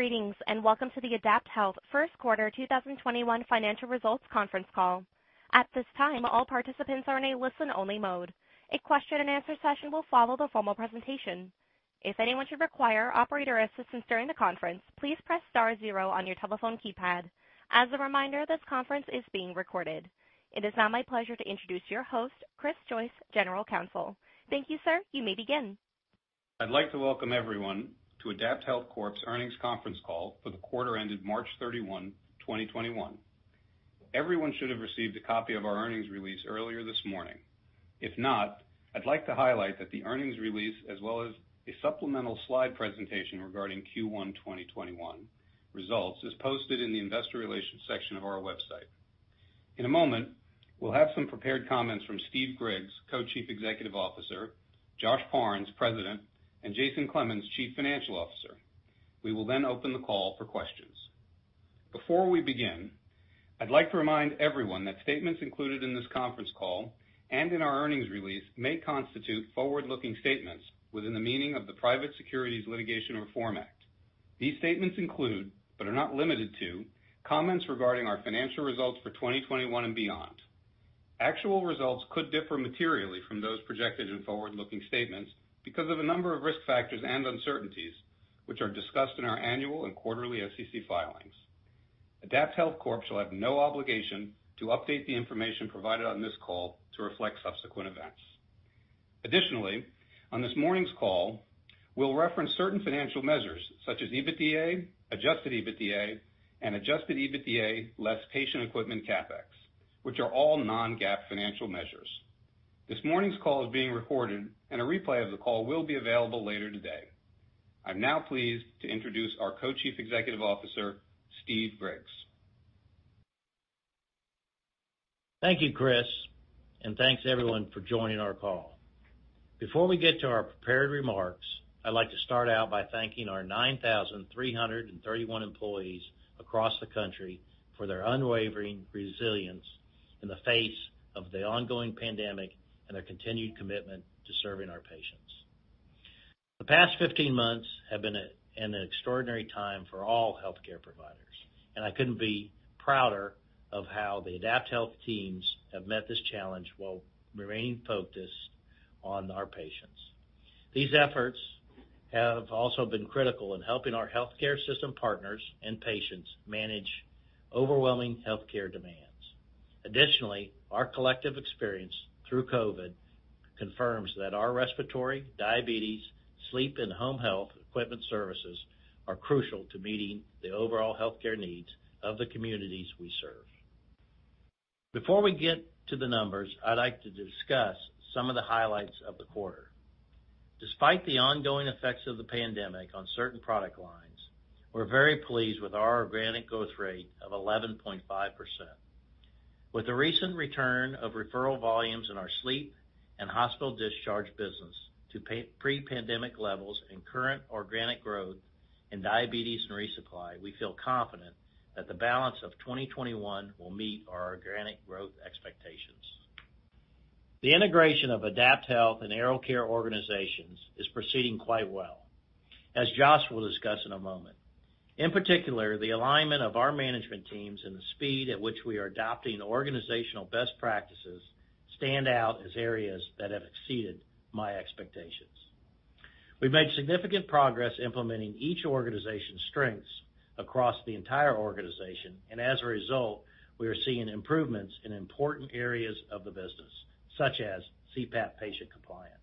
Greetings, and welcome to the AdaptHealth First Quarter 2021 Financial Results Conference Call. At this time, all participants are in a listen-only mode. A question-and-answer session will follow the formal presentation. As a reminder, this conference is being recorded. It is now my pleasure to introduce your host, Chris Joyce, General Counsel. Thank you, sir. You may begin. I'd like to welcome everyone to AdaptHealth Corp.'s Earnings Conference Call for the quarter ended March 31, 2021. Everyone should have received a copy of our earnings release earlier this morning. If not, I'd like to highlight that the earnings release, as well as a supplemental slide presentation regarding Q1 2021 results, is posted in the investor relations section of our website. In a moment, we'll have some prepared comments from Steve Griggs, Co-Chief Executive Officer, Josh Parnes, President, and Jason Clemens, Chief Financial Officer. We will then open the call for questions. Before we begin, I'd like to remind everyone that statements included in this conference call and in our earnings release may constitute forward-looking statements within the meaning of the Private Securities Litigation Reform Act of 1995. These statements include, but are not limited to, comments regarding our financial results for 2021 and beyond. Actual results could differ materially from those projected in forward-looking statements because of a number of risk factors and uncertainties, which are discussed in our annual and quarterly SEC filings. AdaptHealth Corp. shall have no obligation to update the information provided on this call to reflect subsequent events. Additionally, on this morning's call, we'll reference certain financial measures such as EBITDA, adjusted EBITDA, and adjusted EBITDA less patient equipment CapEx, which are all non-GAAP financial measures. This morning's call is being recorded, and a replay of the call will be available later today. I'm now pleased to introduce our Co-Chief Executive Officer, Steve Griggs. Thank you, Chris, and thanks, everyone, for joining our call. Before we get to our prepared remarks, I'd like to start out by thanking our 9,331 employees across the country for their unwavering resilience in the face of the ongoing pandemic and their continued commitment to serving our patients. The past 15 months have been an extraordinary time for all healthcare providers, and I couldn't be prouder of how the AdaptHealth teams have met this challenge while remaining focused on our patients. These efforts have also been critical in helping our healthcare system partners and patients manage overwhelming healthcare demands. Additionally, our collective experience through COVID confirms that our respiratory, diabetes, sleep, and home health equipment services are crucial to meeting the overall healthcare needs of the communities we serve. Before we get to the numbers, I'd like to discuss some of the highlights of the quarter. Despite the ongoing effects of the pandemic on certain product lines, we're very pleased with our organic growth rate of 11.5%. With the recent return of referral volumes in our sleep and hospital discharge business to pre-pandemic levels and current organic growth in diabetes and resupply, we feel confident that the balance of 2021 will meet our organic growth expectations. The integration of AdaptHealth and AeroCare organizations is proceeding quite well, as Josh will discuss in a moment. In particular, the alignment of our management teams and the speed at which we are adopting organizational best practices stand out as areas that have exceeded my expectations. We've made significant progress implementing each organization's strengths across the entire organization, and as a result, we are seeing improvements in important areas of the business, such as CPAP patient compliance,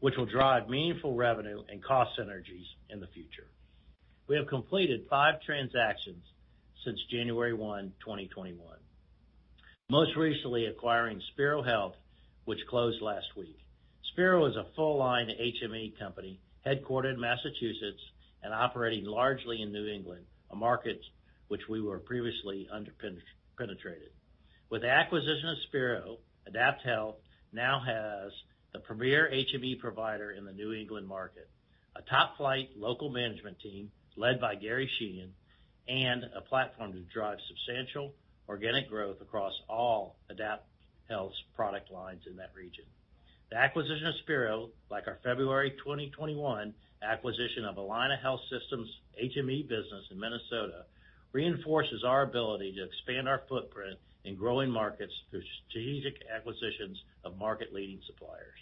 which will drive meaningful revenue and cost synergies in the future. We have completed five transactions since January 1, 2021. Most recently acquiring Spiro Health, which closed last week. Spiro is a full-line HME company headquartered in Massachusetts and operating largely in New England, a market which we were previously under-penetrated. With the acquisition of Spiro, AdaptHealth now has the premier HME provider in the New England market, a top-flight local management team led by Gary Sheehan, and a platform to drive substantial organic growth across all AdaptHealth's product lines in that region. The acquisition of Spiro, like our February 2021 acquisition of Allina Health System's HME business in Minnesota, reinforces our ability to expand our footprint in growing markets through strategic acquisitions of market-leading suppliers.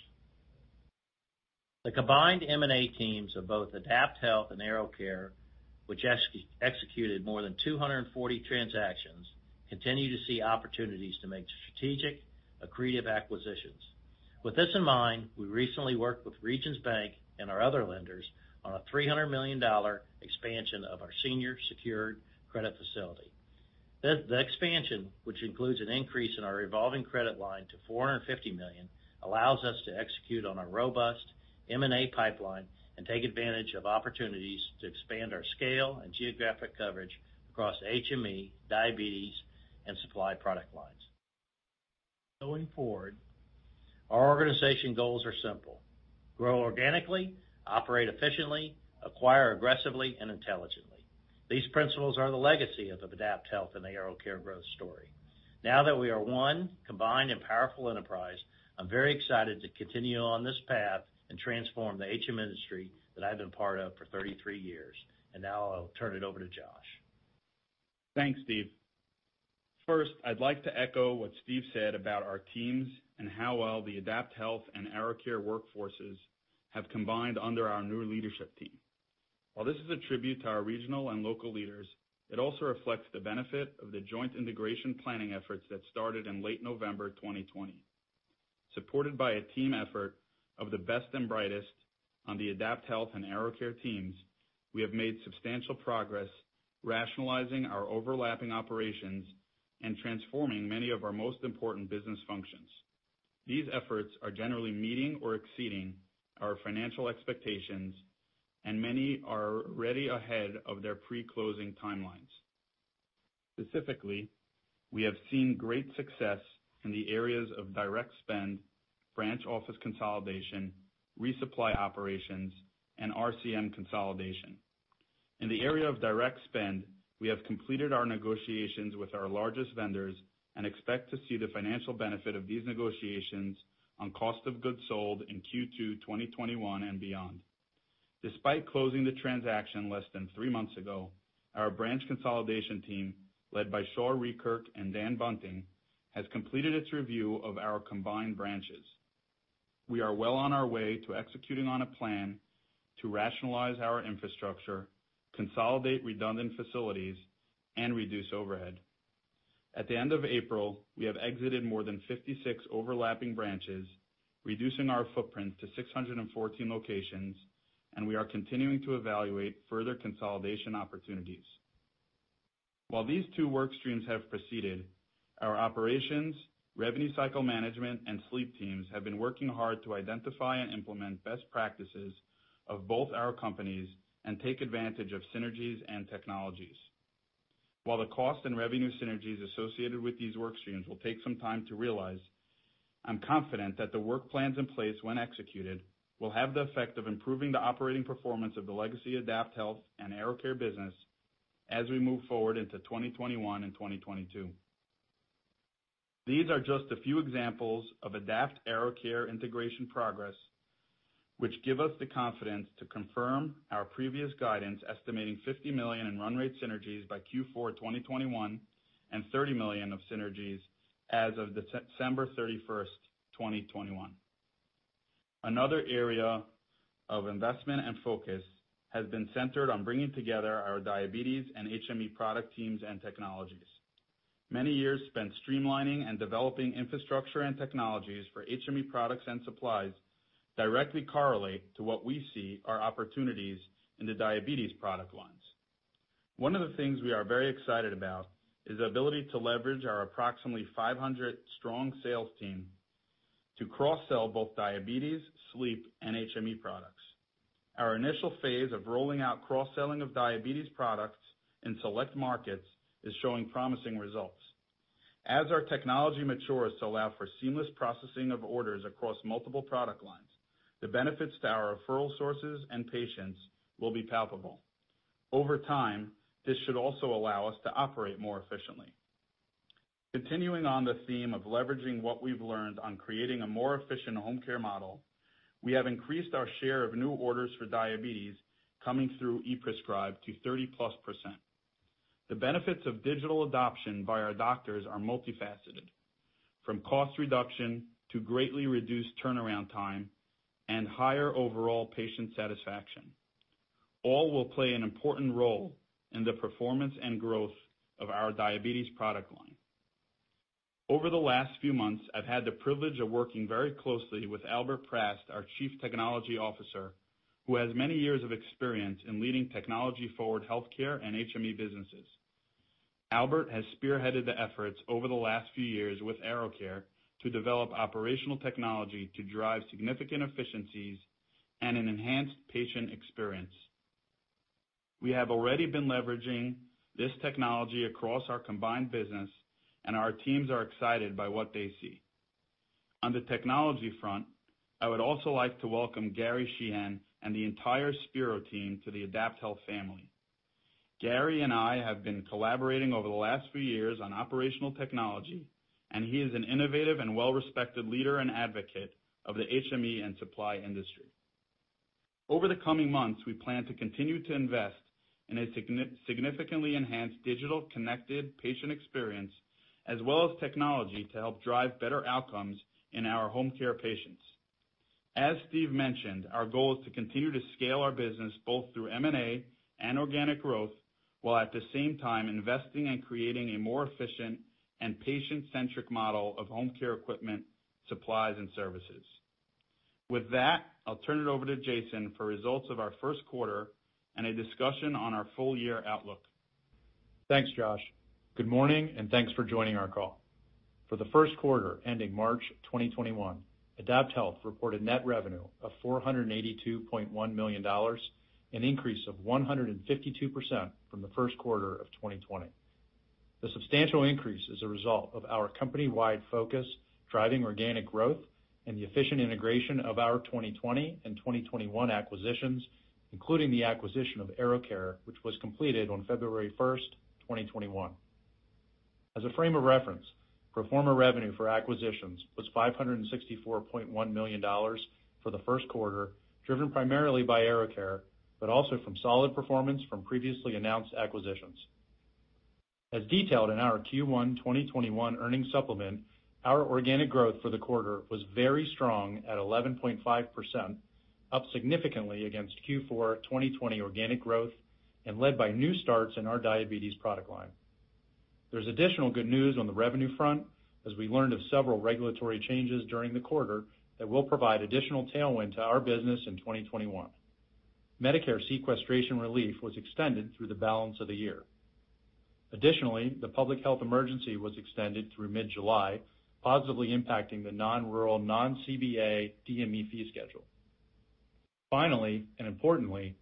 The combined M&A teams of both AdaptHealth and AeroCare, which executed more than 240 transactions, continue to see opportunities to make strategic, accretive acquisitions. With this in mind, we recently worked with Regions Bank and our other lenders on a $300 million expansion of our senior secured credit facility. The expansion, which includes an increase in our revolving credit line to $450 million, allows us to execute on our robust M&A pipeline and take advantage of opportunities to expand our scale and geographic coverage across HME, diabetes, and supply product lines. Going forward, our organization goals are simple: grow organically, operate efficiently, acquire aggressively and intelligently. These principles are the legacy of AdaptHealth and AeroCare growth story. Now that we are one combined and powerful enterprise, I'm very excited to continue on this path and transform the HME industry that I've been part of for 33 years. Now I'll turn it over to Josh. Thanks, Steve. First, I'd like to echo what Steve said about our teams and how well the AdaptHealth and AeroCare workforces have combined under our new leadership team. While this is a tribute to our regional and local leaders, it also reflects the benefit of the joint integration planning efforts that started in late November 2020. Supported by a team effort of the best and brightest on the AdaptHealth and AeroCare teams, we have made substantial progress rationalizing our overlapping operations and transforming many of our most important business functions. These efforts are generally meeting or exceeding our financial expectations, and many are already ahead of their pre-closing timelines. Specifically, we have seen great success in the areas of direct spend, branch office consolidation, resupply operations, and RCM consolidation. In the area of direct spend, we have completed our negotiations with our largest vendors and expect to see the financial benefit of these negotiations on cost of goods sold in Q2 2021 and beyond. Despite closing the transaction less than three months ago, our branch consolidation team, led by Shaw Rietkerk and Dan Bunting, has completed its review of our combined branches. We are well on our way to executing on a plan to rationalize our infrastructure, consolidate redundant facilities, and reduce overhead. At the end of April, we have exited more than 56 overlapping branches, reducing our footprint to 614 locations, and we are continuing to evaluate further consolidation opportunities. While these two work streams have proceeded, our operations, revenue cycle management, and sleep teams have been working hard to identify and implement best practices of both our companies and take advantage of synergies and technologies. While the cost and revenue synergies associated with these work streams will take some time to realize, I'm confident that the work plans in place when executed will have the effect of improving the operating performance of the legacy AdaptHealth and AeroCare business as we move forward into 2021 and 2022. These are just a few examples of AdaptHealth AeroCare integration progress, which give us the confidence to confirm our previous guidance, estimating $50 million in run rate synergies by Q4 2021, and $30 million of synergies as of December 31st, 2021. Another area of investment and focus has been centered on bringing together our diabetes and HME product teams and technologies. Many years spent streamlining and developing infrastructure and technologies for HME products and supplies directly correlate to what we see are opportunities in the diabetes product lines. One of the things we are very excited about is the ability to leverage our approximately 500 strong sales team to cross-sell both diabetes, sleep, and HME products. Our initial phase of rolling out cross-selling of diabetes products in select markets is showing promising results. As our technology matures to allow for seamless processing of orders across multiple product lines, the benefits to our referral sources and patients will be palpable. Over time, this should also allow us to operate more efficiently. Continuing on the theme of leveraging what we've learned on creating a more efficient home care model, we have increased our share of new orders for diabetes coming through ePrescribe to 30%+. The benefits of digital adoption by our doctors are multifaceted, from cost reduction to greatly reduced turnaround time and higher overall patient satisfaction. All will play an important role in the performance and growth of our diabetes product line. Over the last few months, I've had the privilege of working very closely with Albert Prast, our Chief Technology Officer, who has many years of experience in leading technology forward healthcare and HME businesses. Albert has spearheaded the efforts over the last few years with AeroCare to develop operational technology to drive significant efficiencies and an enhanced patient experience. We have already been leveraging this technology across our combined business, and our teams are excited by what they see. On the technology front, I would also like to welcome Gary Sheehan and the entire Spiro team to the AdaptHealth family. Gary and I have been collaborating over the last few years on operational technology, and he is an innovative and well-respected leader and advocate of the HME and supply industry. Over the coming months, we plan to continue to invest in a significantly enhanced digital connected patient experience, as well as technology to help drive better outcomes in our home care patients. As Steve mentioned, our goal is to continue to scale our business both through M&A and organic growth, while at the same time investing in creating a more efficient and patient-centric model of home care equipment, supplies, and services. With that, I'll turn it over to Jason for results of our first quarter and a discussion on our full year outlook. Thanks, Josh. Good morning, and thanks for joining our call. For the first quarter ending March 2021, AdaptHealth reported net revenue of $482.1 million, an increase of 152% from the first quarter of 2020. The substantial increase is a result of our company-wide focus driving organic growth and the efficient integration of our 2020 and 2021 acquisitions, including the acquisition of AeroCare, which was completed on February 1st, 2021. As a frame of reference, pro forma revenue for acquisitions was $564.1 million for the first quarter, driven primarily by AeroCare, but also from solid performance from previously announced acquisitions. As detailed in our Q1 2021 earnings supplement, our organic growth for the quarter was very strong at 11.5%, up significantly against Q4 2020 organic growth and led by new starts in our diabetes product line. There's additional good news on the revenue front, as we learned of several regulatory changes during the quarter that will provide additional tailwind to our business in 2021. Medicare sequestration relief was extended through the balance of the year. Additionally, the public health emergency was extended through mid-July, positively impacting the non-rural, non-CBA DME fee schedule. Finally, and importantly,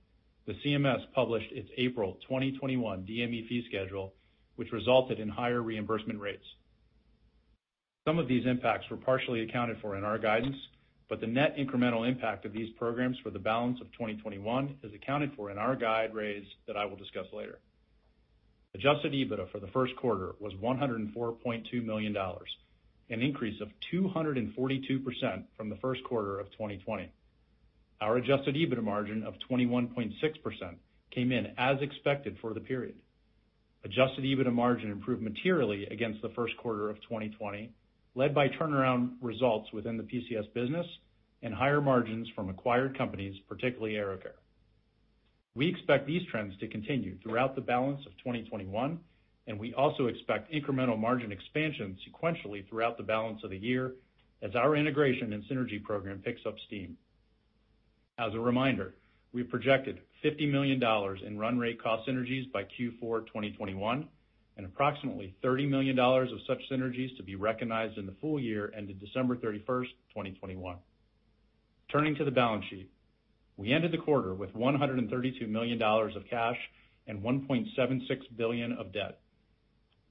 the CMS published its April 2021 DME fee schedule, which resulted in higher reimbursement rates. Some of these impacts were partially accounted for in our guidance, but the net incremental impact of these programs for the balance of 2021 is accounted for in our guide raise that I will discuss later. Adjusted EBITDA for the first quarter was $104.2 million, an increase of 242% from the first quarter of 2020. Our adjusted EBITDA margin of 21.6% came in as expected for the period. Adjusted EBITDA margin improved materially against the first quarter of 2020, led by turnaround results within the PCS business and higher margins from acquired companies, particularly AeroCare. We also expect incremental margin expansion sequentially throughout the balance of the year as our integration and synergy program picks up steam. As a reminder, we projected $50 million in run rate cost synergies by Q4 2021 and approximately $30 million of such synergies to be recognized in the full year ended December 31st, 2021. Turning to the balance sheet. We ended the quarter with $132 million of cash and $1.76 billion of debt.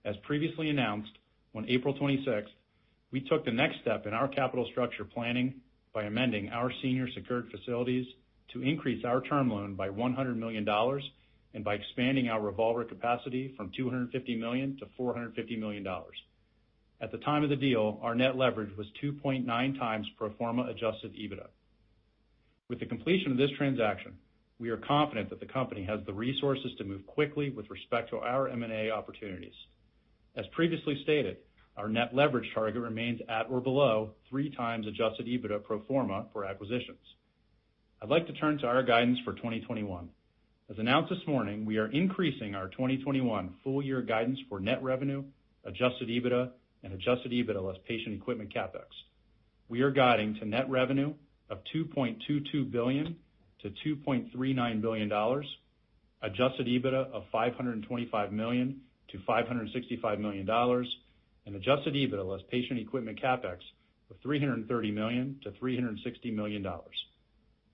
As previously announced, on April 26th, we took the next step in our capital structure planning by amending our senior secured facilities to increase our term loan by $100 million and by expanding our revolver capacity from $250 million to $450 million. At the time of the deal, our net leverage was 2.9x pro forma adjusted EBITDA. With the completion of this transaction, we are confident that the company has the resources to move quickly with respect to our M&A opportunities. As previously stated, our net leverage target remains at or below three times adjusted EBITDA pro forma for acquisitions. I'd like to turn to our guidance for 2021. As announced this morning, we are increasing our 2021 full year guidance for net revenue, adjusted EBITDA, and adjusted EBITDA less patient equipment CapEx. We are guiding to net revenue of $2.22 billion-$2.39 billion, adjusted EBITDA of $525 million-$565 million, and adjusted EBITDA less patient equipment CapEx of $330 million-$360 million.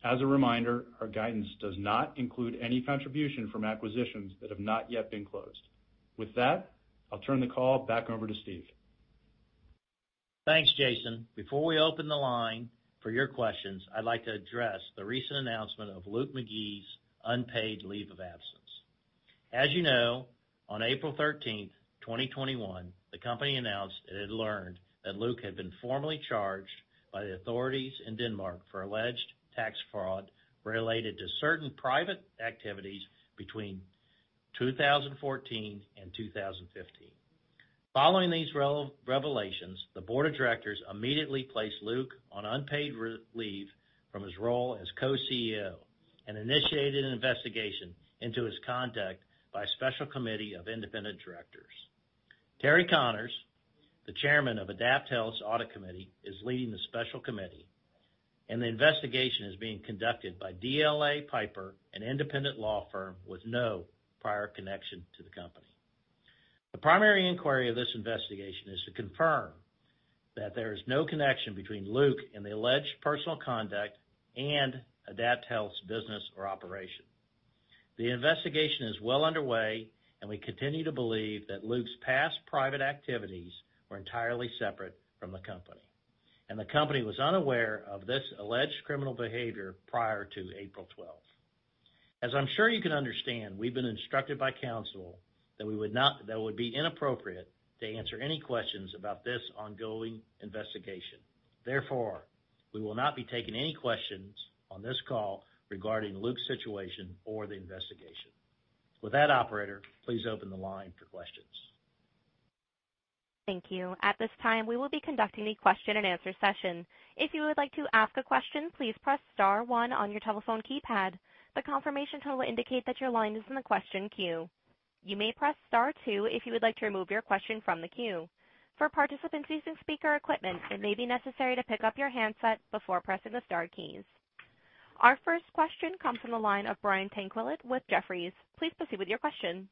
As a reminder, our guidance does not include any contribution from acquisitions that have not yet been closed. With that, I'll turn the call back over to Steve. Thanks, Jason. Before we open the line for your questions, I'd like to address the recent announcement of Luke McGee's unpaid leave of absence. As you know, on April 13th, 2021, the company announced it had learned that Luke had been formally charged by the authorities in Denmark for alleged tax fraud related to certain private activities between 2014 and 2015. Following these revelations, the board of directors immediately placed Luke on unpaid leave from his role as co-CEO and initiated an investigation into his conduct by a special committee of independent directors. Terry Connors, the chairman of AdaptHealth's audit committee, is leading the special committee, and the investigation is being conducted by DLA Piper, an independent law firm with no prior connection to the company. The primary inquiry of this investigation is to confirm that there is no connection between Luke and the alleged personal conduct and AdaptHealth's business or operation. The investigation is well underway, and we continue to believe that Luke's past private activities were entirely separate from the company, and the company was unaware of this alleged criminal behavior prior to April 12th. As I'm sure you can understand, we've been instructed by counsel that it would be inappropriate to answer any questions about this ongoing investigation. Therefore, we will not be taking any questions on this call regarding Luke's situation or the investigation. With that, operator, please open the line for questions. Thank you. At this time, we will be conducting a question-and-answer session. If you would like to ask a question, please press star one on your telephone keypad. The confirmation tone will indicate that your question is in the question queue. You may press star two if you would like to remove your question from the queue. For participants using speaker equipment, it may be necessary to pick up your handset before pressing the star keys. Our first question comes from the line of Brian Tanquilut with Jefferies. Please proceed with your question.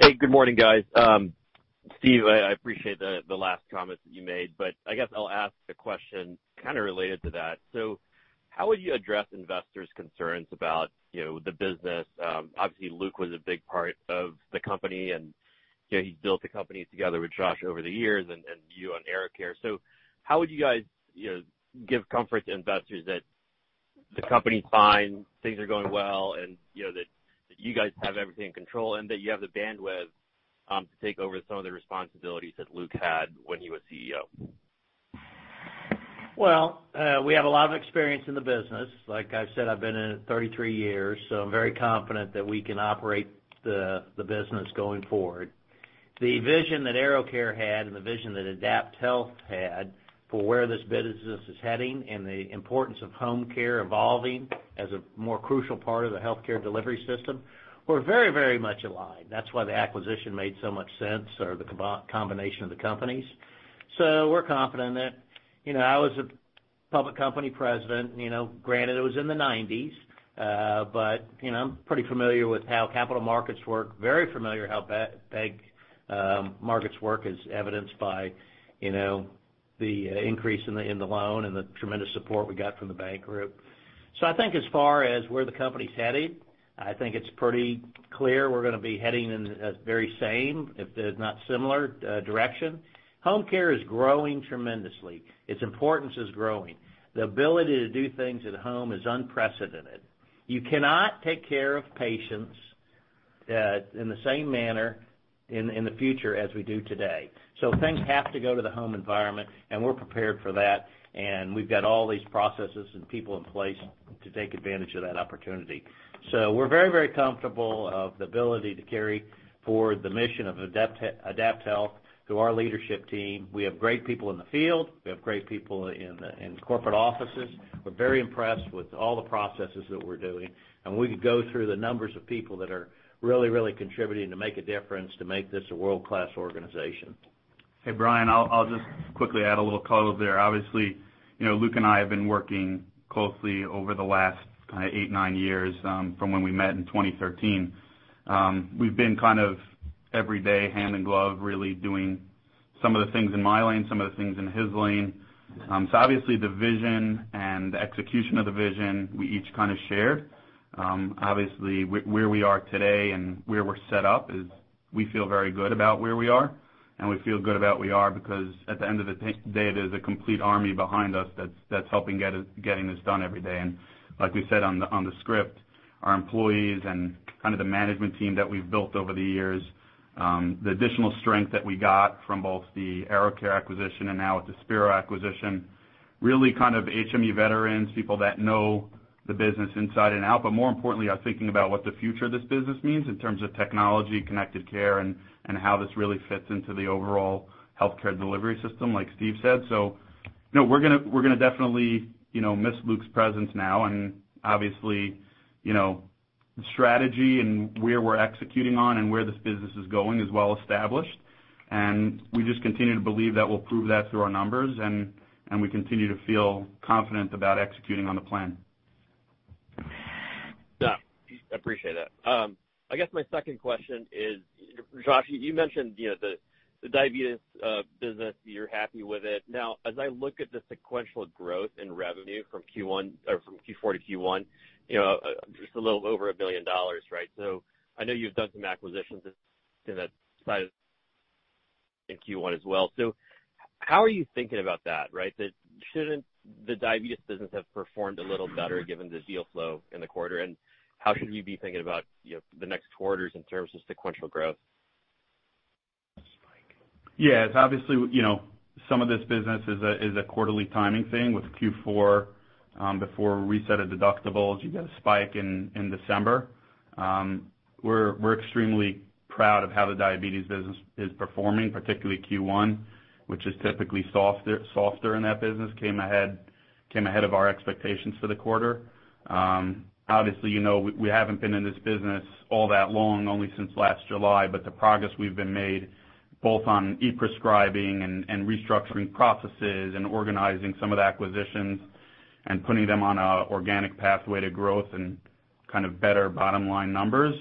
Hey, good morning, guys, Steve, I appreciate the last comments that you made. I guess I'll ask a question kind of related to that. How would you address investors' concerns about the business? Obviously, Luke was a big part of the company, and he built the company together with Josh over the years and you on AeroCare. How would you guys give comfort to investors that the company's fine, things are going well, and that you guys have everything in control and that you have the bandwidth to take over some of the responsibilities that Luke had when he was CEO? Well, we have a lot of experience in the business. Like I've said, I've been in it 33 years. I'm very confident that we can operate the business going forward. The vision that AeroCare had and the vision that AdaptHealth had for where this business is heading and the importance of home care evolving as a more crucial part of the healthcare delivery system, we're very, very much aligned. That's why the acquisition made so much sense or the combination of the companies. We're confident. I was a public company president, granted it was in the 1990s. I'm pretty familiar with how capital markets work, very familiar how bank markets work, as evidenced by the increase in the loan and the tremendous support we got from the bank group. I think as far as where the company's headed, I think it's pretty clear we're going to be heading in the very same, if not similar, direction. Home care is growing tremendously. Its importance is growing. The ability to do things at home is unprecedented. You cannot take care of patients in the same manner in the future as we do today. Things have to go to the home environment, and we're prepared for that, and we've got all these processes and people in place to take advantage of that opportunity. We're very, very comfortable of the ability to carry forward the mission of AdaptHealth through our leadership team. We have great people in the field. We have great people in the corporate offices. We're very impressed with all the processes that we're doing, and we could go through the numbers of people that are really contributing to make a difference to make this a world-class organization. Hey, Brian, I'll just quickly add a little color there. Obviously, Luke and I have been working closely over the last eight, nine years, from when we met in 2013. We've been kind of every day hand in glove, really doing some of the things in my lane, some of the things in his lane. Obviously the vision and the execution of the vision, we each kind of share. Obviously, where we are today and where we're set up is we feel very good about where we are, and we feel good about where we are because at the end of the day, there's a complete army behind us that's helping getting this done every day. Like we said on the script, our employees and kind of the management team that we've built over the years, the additional strength that we got from both the AeroCare acquisition and now with the Spiro acquisition, really kind of HME veterans, people that know the business inside and out. More importantly, are thinking about what the future of this business means in terms of technology, connected care, and how this really fits into the overall healthcare delivery system, like Steve said. We're going to definitely miss Luke's presence now, and obviously, the strategy and where we're executing on and where this business is going is well established, and we just continue to believe that we'll prove that through our numbers, and we continue to feel confident about executing on the plan. Yeah. Appreciate it. I guess my second question is, Josh, you mentioned the diabetes business, you're happy with it. Now, as I look at the sequential growth in revenue from Q4 to Q1, just a little over $1 billion, right? I know you've done some acquisitions in that in Q1 as well. How are you thinking about that, right? Shouldn't the diabetes business have performed a little better given the deal flow in the quarter? How should we be thinking about the next quarters in terms of sequential growth? Yeah. Obviously, some of this business is a quarterly timing thing with Q4, before reset of deductibles, you get a spike in December. We're extremely proud of how the diabetes business is performing, particularly Q1, which is typically softer in that business, came ahead of our expectations for the quarter. Obviously, we haven't been in this business all that long, only since last July, but the progress we've been made both on e-prescribing and restructuring processes and organizing some of the acquisitions and putting them on a organic pathway to growth and kind of better bottom line numbers.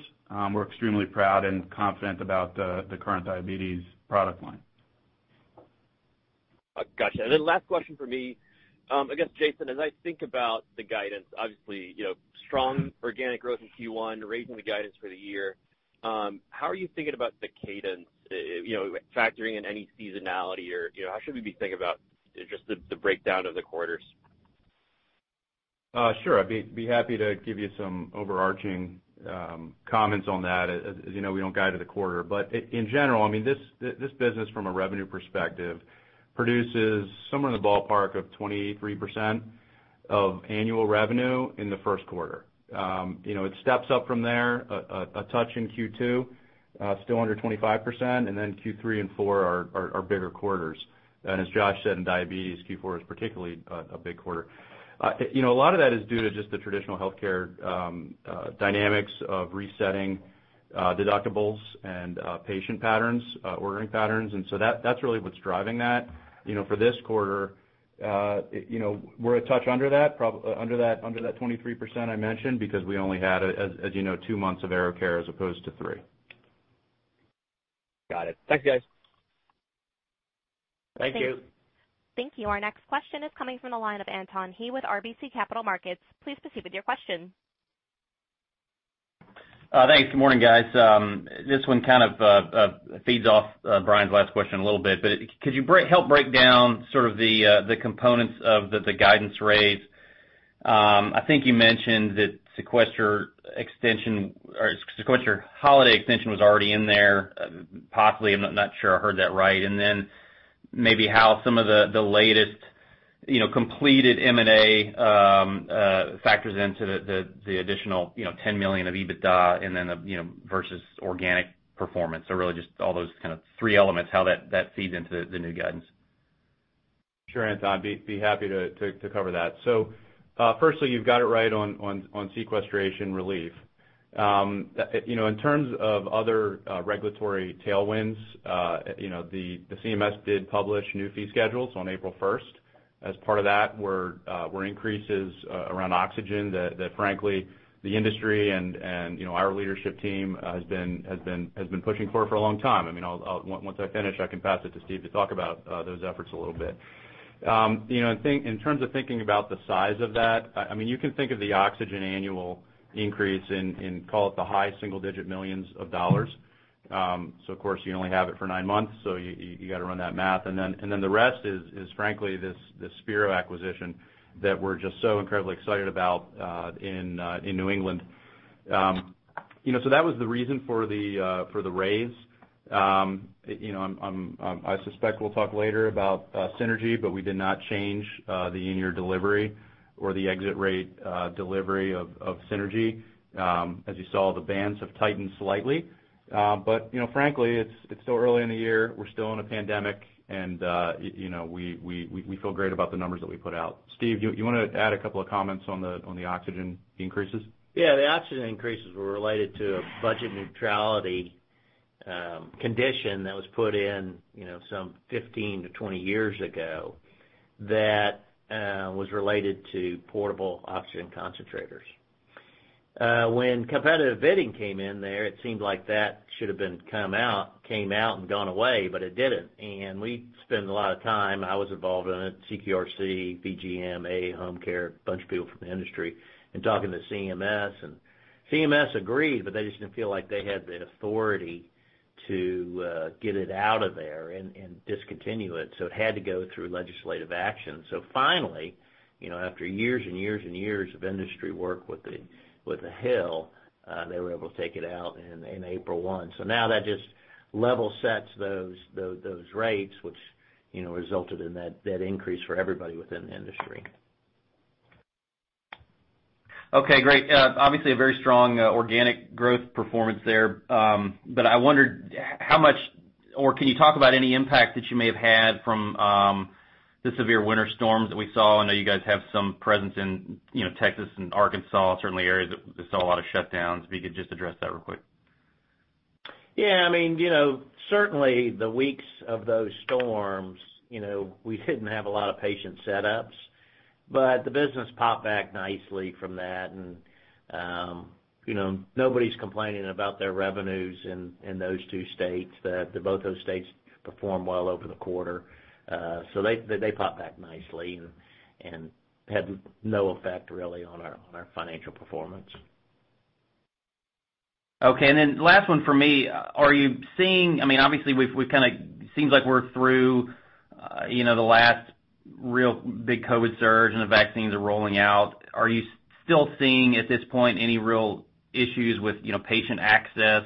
We're extremely proud and confident about the current diabetes product line. Got you. Then last question from me. I guess, Jason, as I think about the guidance, obviously, strong organic growth in Q1, raising the guidance for the year. How are you thinking about the cadence, factoring in any seasonality, or how should we be thinking about just the breakdown of the quarters? Sure. I'd be happy to give you some overarching comments on that. As you know, we don't guide to the quarter. In general, this business from a revenue perspective produces somewhere in the ballpark of 23% of annual revenue in the first quarter. It steps up from there, a touch in Q2, still under 25%, and then Q3 and Q4 are bigger quarters. As Josh said, in diabetes, Q4 is particularly a big quarter. A lot of that is due to just the traditional healthcare dynamics of resetting deductibles and patient patterns, ordering patterns, and so that's really what's driving that. For this quarter, we're a touch under that 23% I mentioned, because we only had, as you know, two months of AeroCare as opposed to three. Got it. Thanks, guys. Thank you. Thank you. Our next question is coming from the line of Anton Hie with RBC Capital Markets. Please proceed with your question. Thanks. Good morning, guys. This one kind of feeds off Brian's last question a little bit. Could you help break down sort of the components of the guidance raise? I think you mentioned that sequester holiday extension was already in there, possibly. I'm not sure I heard that right. Maybe how some of the latest completed M&A factors into the additional $10 million of EBITDA versus organic performance. Really, just all those kind of three elements, how that feeds into the new guidance. Firstly, you've got it right on sequestration relief. In terms of other regulatory tailwinds, the CMS did publish new fee schedules on April 1st. As part of that were increases around oxygen that frankly, the industry and our leadership team has been pushing for a long time. Once I finish, I can pass it to Steve to talk about those efforts a little bit. In terms of thinking about the size of that, you can think of the oxygen annual increase and call it the high single-digit millions of dollars. Of course, you only have it for nine months, so you got to run that math. And then the rest is frankly, this Spiro acquisition that we're just so incredibly excited about in New England. That was the reason for the raise. I suspect we'll talk later about synergy, but we did not change the in-year delivery or the exit rate delivery of synergy. As you saw, the bands have tightened slightly. Frankly, it's still early in the year. We're still in a pandemic, and we feel great about the numbers that we put out. Steve, do you want to add a couple of comments on the oxygen increases? Yeah, the oxygen increases were related to a budget neutrality condition that was put in some 15-20 years ago that was related to portable oxygen concentrators. When competitive bidding came in there, it seemed like that should have came out and gone away, but it didn't. We spent a lot of time, I was involved in it, CQRC, VGMA, home care, a bunch of people from the industry, in talking to CMS, and CMS agreed, but they just didn't feel like they had the authority to get it out of there and discontinue it. It had to go through legislative action. Finally, after years and years of industry work with the Hill, they were able to take it out in April 1. Now that just level sets those rates, which resulted in that increase for everybody within the industry. Okay, great. Obviously, a very strong organic growth performance there. I wondered how much, or can you talk about any impact that you may have had from the severe winter storms that we saw? I know you guys have some presence in Texas and Arkansas, certainly areas that saw a lot of shutdowns. If you could just address that real quick. Yeah. Certainly the weeks of those storms, we didn't have a lot of patient setups, but the business popped back nicely from that, and nobody's complaining about their revenues in those two states. Both those states performed well over the quarter. They popped back nicely and had no effect really on our financial performance. Okay. Last one from me. Obviously, it seems like we're through the last real big COVID surge, and the vaccines are rolling out. Are you still seeing, at this point, any real issues with patient access,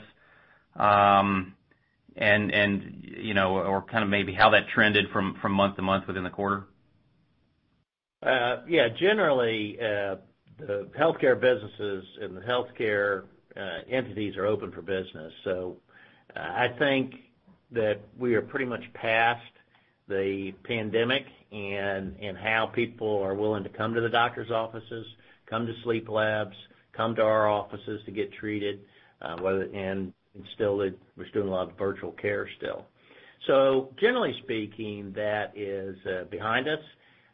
or kind of maybe how that trended from month to month within the quarter? Yeah. Generally, the healthcare businesses and the healthcare entities are open for business. I think that we are pretty much past the pandemic in how people are willing to come to the doctor's offices, come to sleep labs, come to our offices to get treated, and we're still doing a lot of virtual care still. Generally speaking, that is behind us.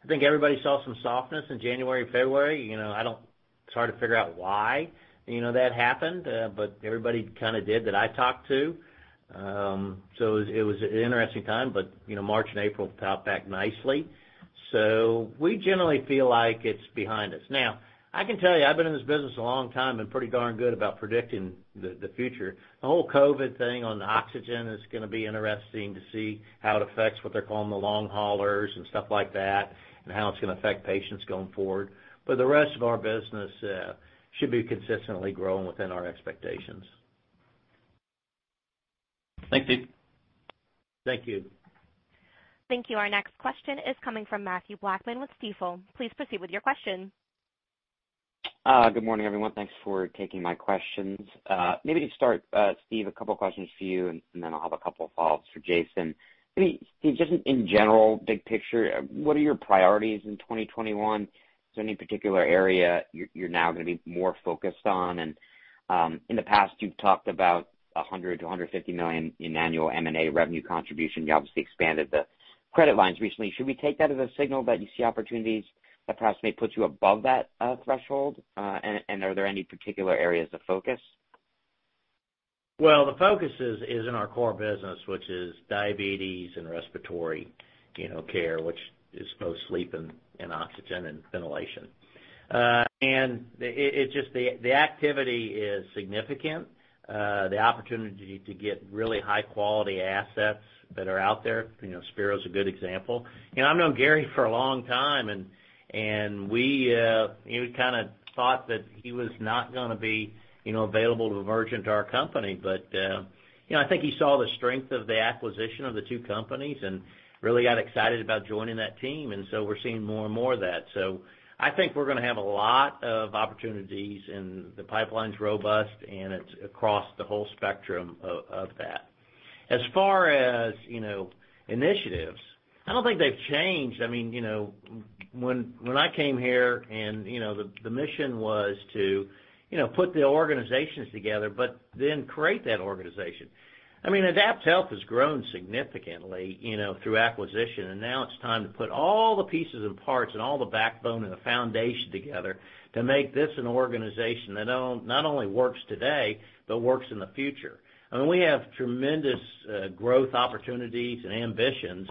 I think everybody saw some softness in January, February. It's hard to figure out why that happened. Everybody kind of did that I talked to. It was an interesting time, but March and April popped back nicely. We generally feel like it's behind us. Now, I can tell you, I've been in this business a long time and pretty darn good about predicting the future. The whole COVID thing on the oxygen is going to be interesting to see how it affects what they're calling the long haulers and stuff like that, and how it's going to affect patients going forward. The rest of our business should be consistently growing within our expectations. Thanks, Steve. Thank you. Thank you. Our next question is coming from Mathew Blackman with Stifel. Please proceed with your question. Good morning, everyone. Thanks for taking my questions. Maybe to start, Steve, a couple questions for you, then I'll have a couple follows for Jason. Steve, just in general, big picture, what are your priorities in 2021? Is there any particular area you're now going to be more focused on? In the past, you've talked about $100 million-$150 million in annual M&A revenue contribution. You obviously expanded the credit lines recently. Should we take that as a signal that you see opportunities that perhaps may put you above that threshold? Are there any particular areas of focus? Well, the focus is in our core business, which is diabetes and respiratory care, which is both sleep and oxygen and ventilation. The activity is significant, the opportunity to get really high-quality assets that are out there, Spiro's a good example. I've known Gary for a long time, and we kind of thought that he was not going to be available to merge into our company. I think he saw the strength of the acquisition of the two companies and really got excited about joining that team. We're seeing more and more of that. I think we're going to have a lot of opportunities, and the pipeline's robust, and it's across the whole spectrum of that. As far as initiatives, I don't think they've changed. When I came here and the mission was to put the organizations together, but then create that organization. AdaptHealth has grown significantly through acquisition. Now it's time to put all the pieces and parts and all the backbone and the foundation together to make this an organization that not only works today, but works in the future. We have tremendous growth opportunities and ambitions.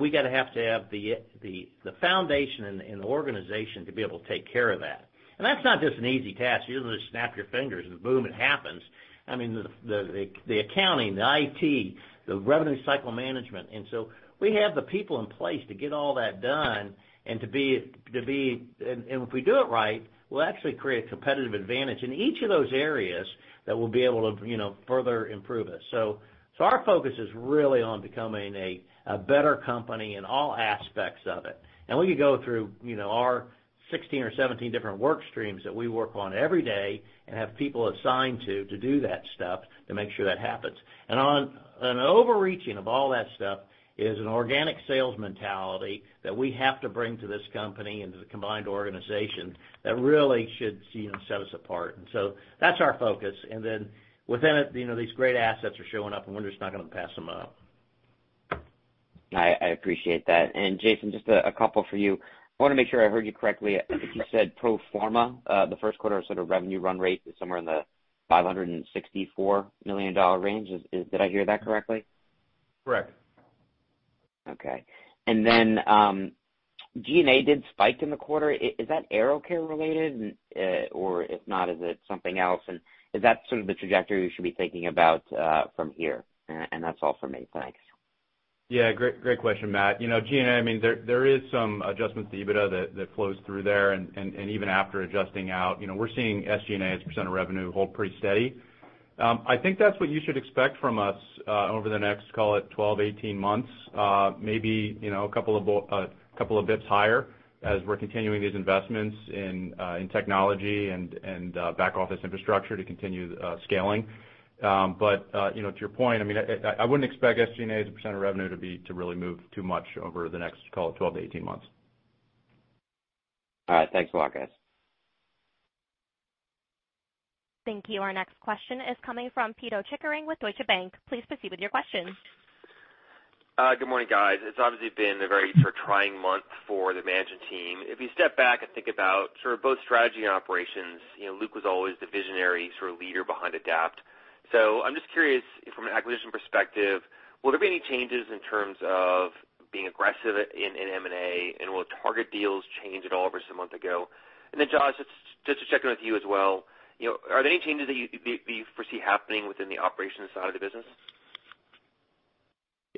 We got to have the foundation and the organization to be able to take care of that. That's not just an easy task. You don't just snap your fingers and boom, it happens. The accounting, the IT, the revenue cycle management. We have the people in place to get all that done, and if we do it right, we'll actually create a competitive advantage in each of those areas that we'll be able to further improve it. Our focus is really on becoming a better company in all aspects of it. We could go through our 16 or 17 different work streams that we work on every day and have people assigned to do that stuff, to make sure that happens. On an overreaching of all that stuff is an organic sales mentality that we have to bring to this company and to the combined organization that really should set us apart. That's our focus. Then within it, these great assets are showing up and we're just not going to pass them up. I appreciate that. Jason, just a couple for you. I want to make sure I heard you correctly. You said pro forma, the first quarter sort of revenue run rate is somewhere in the $564 million range. Did I hear that correctly? Correct. Okay. G&A did spike in the quarter. Is that AeroCare related? If not, is it something else? Is that sort of the trajectory we should be thinking about from here? That's all for me. Thanks. Yeah. Great question, Mathew. G&A, there is some adjustment to EBITDA that flows through there. Even after adjusting out, we're seeing SG&A as a percent of revenue hold pretty steady. I think that's what you should expect from us over the next, call it, 12, 18 months. Maybe a couple of basis points higher as we're continuing these investments in technology and back office infrastructure to continue scaling. To your point, I wouldn't expect SG&A as a percent of revenue to really move too much over the next, call it, 12-18 months. All right. Thanks a lot, guys. Thank you. Our next question is coming from Pito Chickering with Deutsche Bank. Please proceed with your question. Good morning, guys. It's obviously been a very trying month for the management team. If you step back and think about both strategy and operations, Luke was always the visionary leader behind AdaptHealth. I'm just curious from an acquisition perspective, will there be any changes in terms of being aggressive in M&A, and will target deals change at all versus a month ago? Then Josh, just to check in with you as well, are there any changes that you foresee happening within the operations side of the business?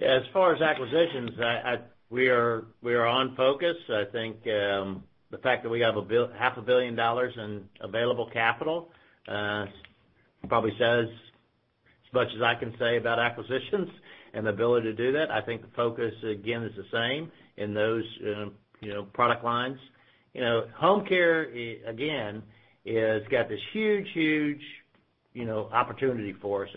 As far as acquisitions, we are on focus. I think the fact that we have half a billion dollars in available capital probably says as much as I can say about acquisitions and the ability to do that. I think the focus, again, is the same in those product lines. Home care, again, has got this huge opportunity for us.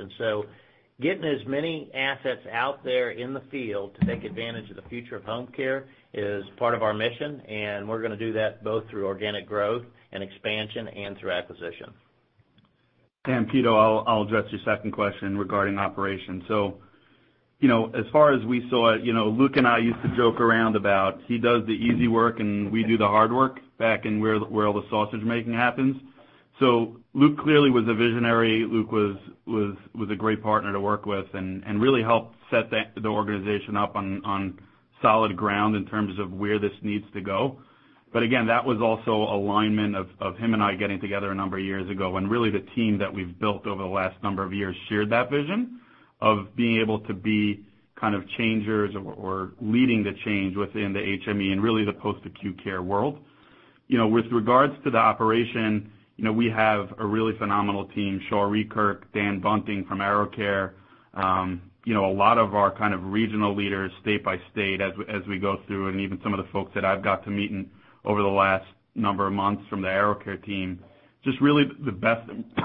Getting as many assets out there in the field to take advantage of the future of home care is part of our mission, and we're going to do that both through organic growth and expansion and through acquisition. Pito, I'll address your second question regarding operations. As far as we saw it, Luke and I used to joke around about he does the easy work and we do the hard work back in where all the sausage-making happens. Luke clearly was a visionary. Luke was a great partner to work with and really helped set the organization up on solid ground in terms of where this needs to go. Again, that was also alignment of him and I getting together a number of years ago, and really the team that we've built over the last number of years shared that vision of being able to be kind of changers or leading the change within the HME and really the post-acute care world. With regards to the operation, we have a really phenomenal team, Shaw Rietkerk, Dan Bunting from AeroCare. A lot of our kind of regional leaders state by state as we go through, and even some of the folks that I've got to meet over the last number of months from the AeroCare team, just really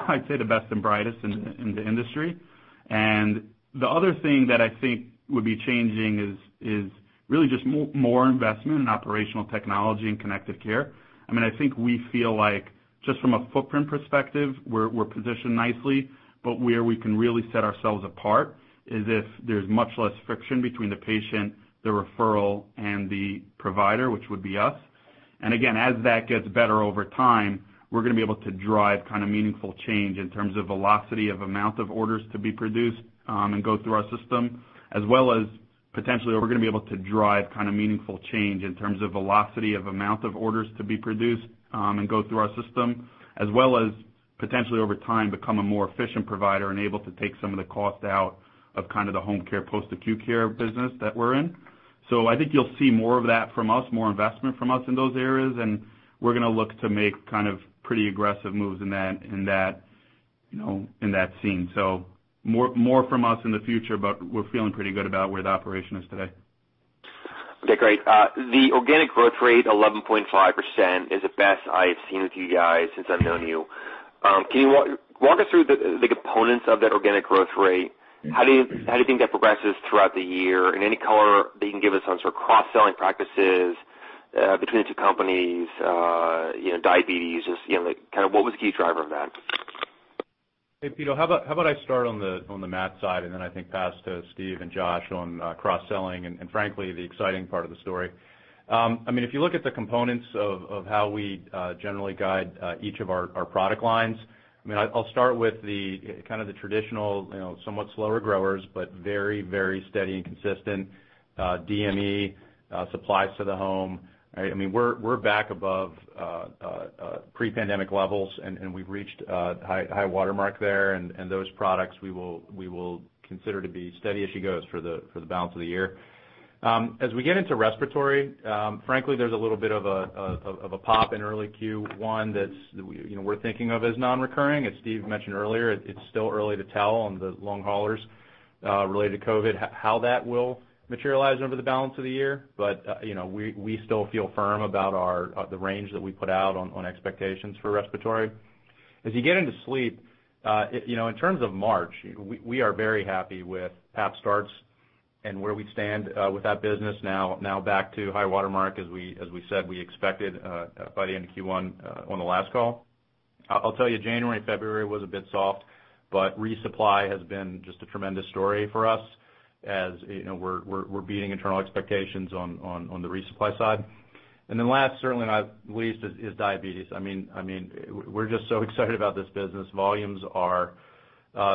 I'd say the best and brightest in the industry. The other thing that I think would be changing is really just more investment in operational technology and connected care. I think we feel like just from a footprint perspective, we're positioned nicely, but where we can really set ourselves apart is if there's much less friction between the patient, the referral, and the provider, which would be us. Again, as that gets better over time, we're going to be able to drive meaningful change in terms of velocity of amount of orders to be produced, and go through our system, as well as potentially over time, become a more efficient provider and able to take some of the cost out of the home care post-acute care business that we're in. I think you'll see more of that from us, more investment from us in those areas, and we're going to look to make pretty aggressive moves in that scene. More from us in the future. We're feeling pretty good about where the operation is today. Okay, great. The organic growth rate, 11.5%, is the best I have seen with you guys since I've known you. Can you walk us through the components of that organic growth rate? How do you think that progresses throughout the year? Any color that you can give us on sort of cross-selling practices between the two companies, diabetes, just kind of what was the key driver of that? Hey, Pito, how about I start on the M&A side, and then I think pass to Steve and Josh on cross-selling and frankly, the exciting part of the story. If you look at the components of how we generally guide each of our product lines, I'll start with the kind of the traditional, somewhat slower growers, but very steady and consistent, DME supplies to the home. We're back above pre-pandemic levels, and we've reached a high water mark there. Those products, we will consider to be steady as she goes for the balance of the year. As we get into respiratory, frankly, there's a little bit of a pop in early Q1 that we're thinking of as non-recurring. As Steve mentioned earlier, it's still early to tell on the long haulers related to COVID, how that will materialize over the balance of the year. We still feel firm about the range that we put out on expectations for respiratory. As you get into sleep, in terms of March, we are very happy with PAP starts and where we stand with that business now back to high water mark, as we said we expected by the end of Q1 on the last call. I'll tell you, January, February was a bit soft, but resupply has been just a tremendous story for us as we're beating internal expectations on the resupply side. Last, certainly not least, is diabetes. We're just so excited about this business. Volumes are,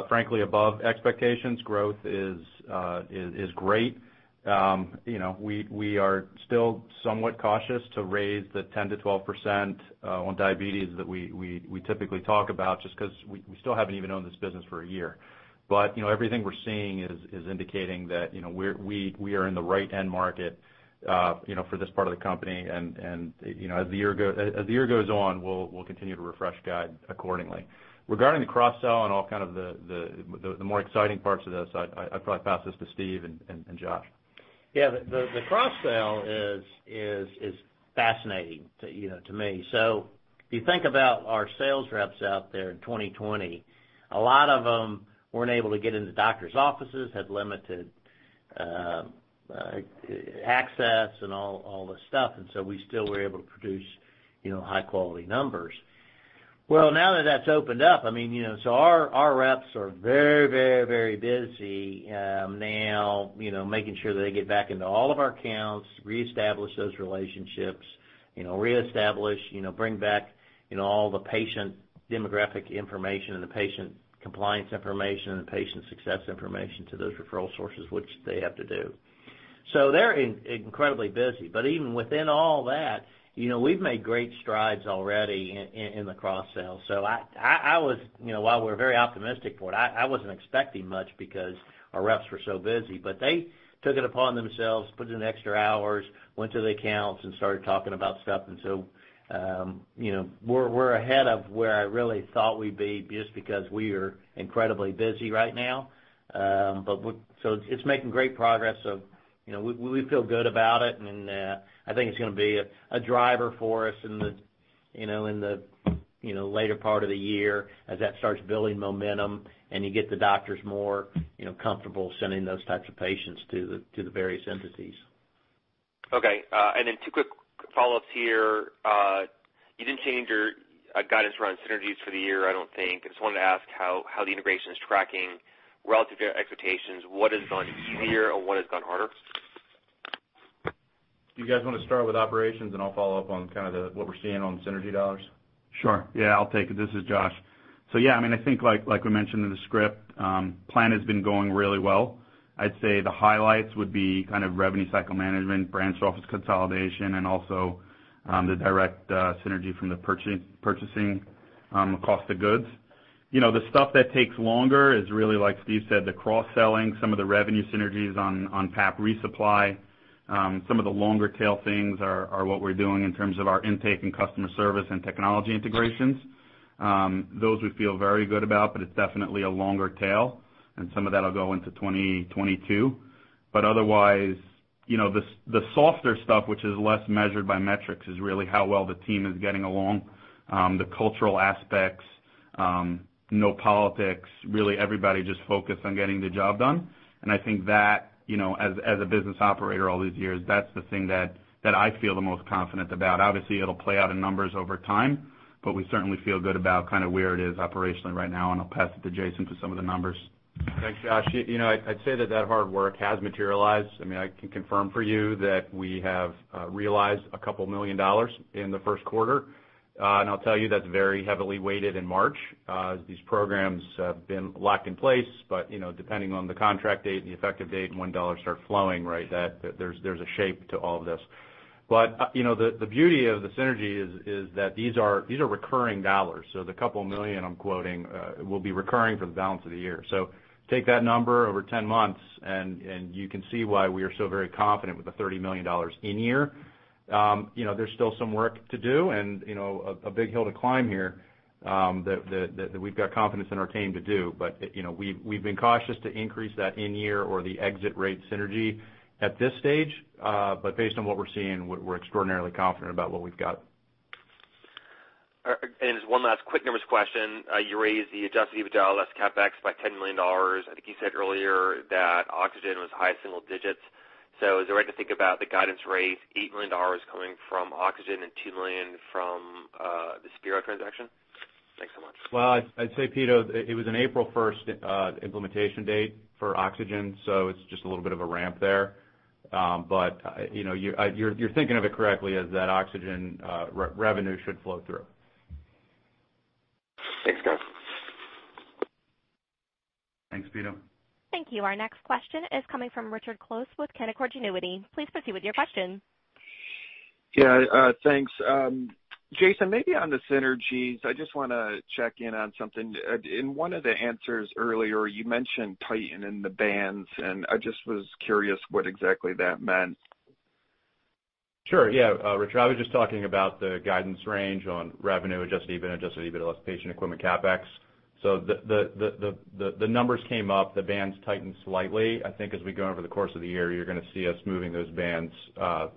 frankly, above expectations. Growth is great. We are still somewhat cautious to raise the 10%-12% on diabetes that we typically talk about, just because we still haven't even owned this business for a year. Everything we're seeing is indicating that we are in the right end market for this part of the company. As the year goes on, we'll continue to refresh guide accordingly. Regarding the cross-sell and all kind of the more exciting parts of this, I'd probably pass this to Steve and Josh. Yeah. The cross-sell is fascinating to me. If you think about our sales reps out there in 2020, a lot of them weren't able to get into doctors' offices, had limited access and all this stuff. We still were able to produce high-quality numbers. Well, now that that's opened up, our reps are very busy now, making sure that they get back into all of our accounts, reestablish those relationships, bring back all the patient demographic information and the patient compliance information and the patient success information to those referral sources, which they have to do. They're incredibly busy, but even within all that, we've made great strides already in the cross-sell. While we're very optimistic for it, I wasn't expecting much because our reps were so busy. They took it upon themselves, put in extra hours, went to the accounts, and started talking about stuff. We're ahead of where I really thought we'd be just because we are incredibly busy right now. It's making great progress, we feel good about it, and I think it's going to be a driver for us in the later part of the year as that starts building momentum, and you get the doctors more comfortable sending those types of patients to the various entities. Okay. Two quick follow-ups here. You didn't change your guidance around synergies for the year, I don't think. I just wanted to ask how the integration is tracking relative to your expectations. What has gone easier and what has gone harder? Do you guys want to start with operations, and I'll follow up on kind of what we're seeing on synergy dollars? Sure. I'll take it. This is Josh. I think like we mentioned in the script, plan has been going really well. I'd say the highlights would be kind of revenue cycle management, branch office consolidation, and also the direct synergy from the purchasing cost of goods. The stuff that takes longer is really like Steve said, the cross-selling, some of the revenue synergies on PAP resupply. Some of the longer tail things are what we're doing in terms of our intake and customer service and technology integrations. Those we feel very good about, but it's definitely a longer tail, and some of that'll go into 2022. Otherwise, the softer stuff, which is less measured by metrics, is really how well the team is getting along. The cultural aspects, no politics, really everybody just focused on getting the job done. I think that, as a business operator all these years, that's the thing that I feel the most confident about. Obviously, it'll play out in numbers over time. We certainly feel good about kind of where it is operationally right now. I'll pass it to Jason for some of the numbers. Thanks, Josh. I'd say that that hard work has materialized. I can confirm for you that we have realized a couple million dollars in the first quarter. I'll tell you that's very heavily weighted in March as these programs have been locked in place. Depending on the contract date and the effective date and when dollars start flowing, there's a shape to all of this. The beauty of the synergy is that these are recurring dollars. The couple million I'm quoting will be recurring for the balance of the year. Take that number over 10 months, and you can see why we are so very confident with the $30 million in year. There's still some work to do and a big hill to climb here, that we've got confidence in our team to do. We've been cautious to increase that in year or the exit rate synergy at this stage. Based on what we're seeing, we're extraordinarily confident about what we've got. Just one last quick numbers question. You raised the adjusted EBITDA less CapEx by $10 million. I think you said earlier that Oxygen was high single digits. Is it right to think about the guidance raise, $8 million coming from Oxygen and $2 million from the Spiro transaction? Thanks so much. I'd say, Pito, it was an April 1st implementation date for oxygen, so it's just a little bit of a ramp there. You're thinking of it correctly as that oxygen revenue should flow through. Thanks, guys. Thanks, Pito. Thank you. Our next question is coming from Richard Close with Canaccord Genuity. Please proceed with your question. Yeah, thanks. Jason, maybe on the synergies, I just want to check in on something. In one of the answers earlier, you mentioned tightening the bands, and I just was curious what exactly that meant. Sure. Yeah, Richard, I was just talking about the guidance range on revenue, adjusted EBITDA, and adjusted EBITDA less patient equipment CapEx. The numbers came up, the bands tightened slightly. I think as we go over the course of the year, you're going to see us moving those bands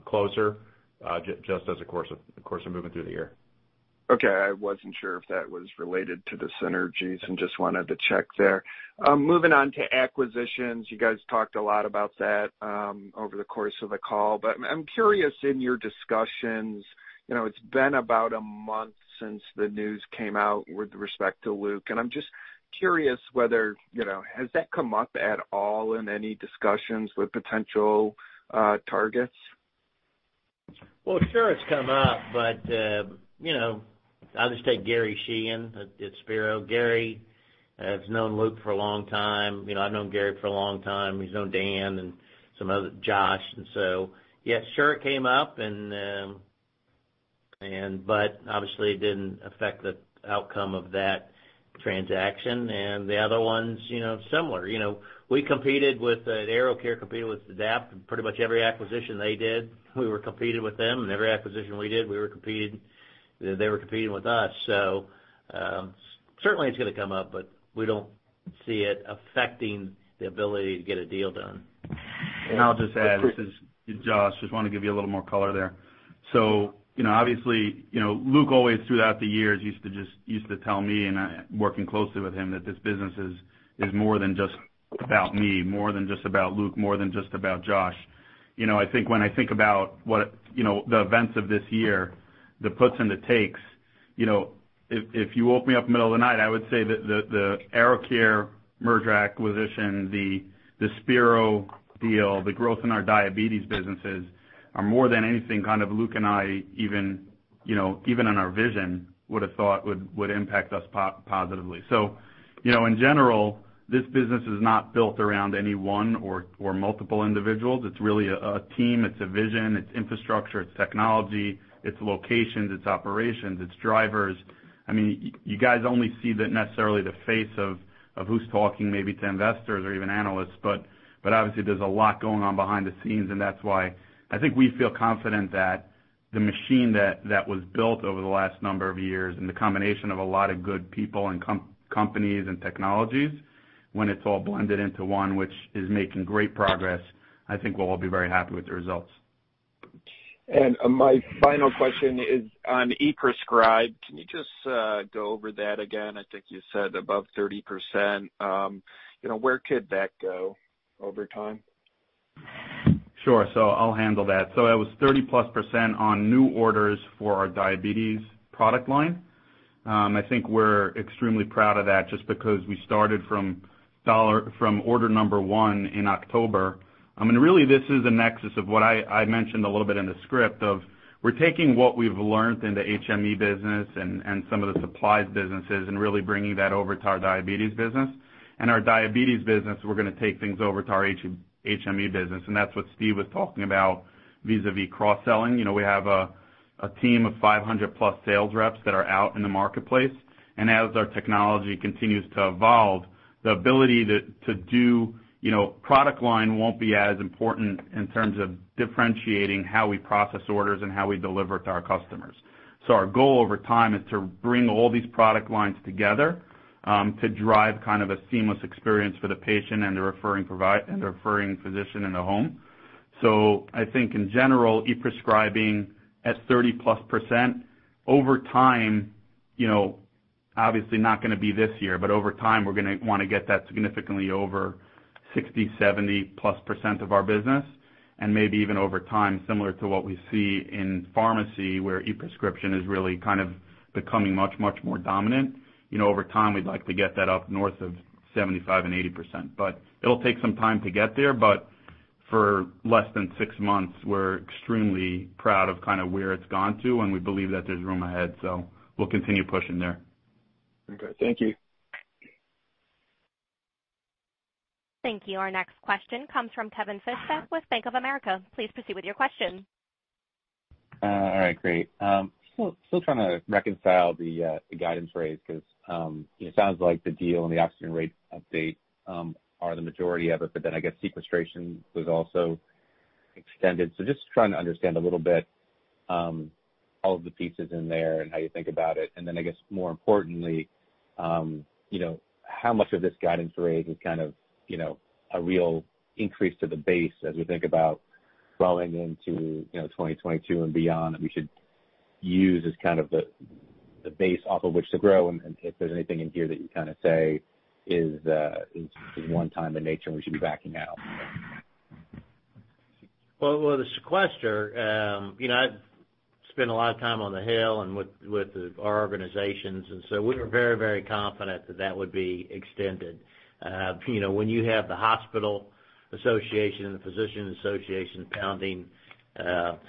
closer just as the course of moving through the year. Okay, I wasn't sure if that was related to the synergies and just wanted to check there. Moving on to acquisitions, you guys talked a lot about that over the course of the call, but I'm curious in your discussions, it's been about a month since the news came out with respect to Luke, and I'm just curious whether has that come up at all in any discussions with potential targets? Well, sure it's come up, but I'll just take Gary Sheehan at Spiro. Gary has known Luke for a long time. I've known Gary for a long time. He's known Dan and some other, Josh. Yeah, sure it came up, but obviously it didn't affect the outcome of that transaction. The other ones, similar. AeroCare competed with Adapt. Pretty much every acquisition they did, we were competing with them, and every acquisition we did, they were competing with us. Certainly it's going to come up, but we don't see it affecting the ability to get a deal done. I'll just add, this is Josh, I just want to give you a little more color there. Obviously, Luke always throughout the years used to tell me, and I working closely with him, that this business is more than just about me, more than just about Luke, more than just about Josh. When I think about the events of this year, the puts and the takes, if you woke me up in the middle of the night, I would say that the AeroCare merger acquisition, the Spiro deal, the growth in our diabetes businesses are more than anything Luke and I, even in our vision, would have thought would impact us positively. In general, this business is not built around any one or multiple individuals. It's really a team. It's a vision. It's infrastructure. It's technology. It's locations. It's operations. It's drivers. You guys only see necessarily the face of who's talking maybe to investors or even analysts, but obviously there's a lot going on behind the scenes, and that's why I think we feel confident that the machine that was built over the last number of years and the combination of a lot of good people and companies and technologies, when it's all blended into one, which is making great progress, I think we'll all be very happy with the results. My final question is on ePrescribe. Can you just go over that again? I think you said above 30%. Where could that go over time? Sure. I'll handle that. That was 30%+ on new orders for our diabetes product line. I think we're extremely proud of that just because we started from order number one in October. Really, this is a nexus of what I mentioned a little bit in the script of we're taking what we've learned in the HME business and some of the supplies businesses and really bringing that over to our diabetes business. Our diabetes business, we're going to take things over to our HME business, and that's what Steve was talking about vis-à-vis cross-selling. We have a team of 500+ sales reps that are out in the marketplace, and as our technology continues to evolve, the ability to do product line won't be as important in terms of differentiating how we process orders and how we deliver to our customers. Our goal over time is to bring all these product lines together to drive a seamless experience for the patient and the referring physician in the home. I think in general, e-prescribing at 30%+, over time, obviously not going to be this year, but over time, we're going to want to get that significantly over 60%+, 70%+ of our business. Maybe even over time, similar to what we see in pharmacy, where ePrescription is really becoming much more dominant. Over time, we'd like to get that up north of 75% and 80%. It'll take some time to get there, but for less than six months, we're extremely proud of where it's gone to, and we believe that there's room ahead, so we'll continue pushing there. Okay, thank you. Thank you. Our next question comes from Kevin Fischbeck with Bank of America. Please proceed with your question. All right, great. Still trying to reconcile the guidance raise because it sounds like the deal and the oxygen rate update are the majority of it, I guess, sequestration was also extended. Just trying to understand a little bit, all of the pieces in there and how you think about it, I guess more importantly, how much of this guidance raise is a real increase to the base as we think about growing into 2022 and beyond, that we should use as the base off of which to grow, and if there's anything in here that you kind of say is one time in nature and we should be backing out. The sequester, I've spent a lot of time on the Hill with our organizations, we were very confident that that would be extended. When you have the Hospital Association and the Physician Association pounding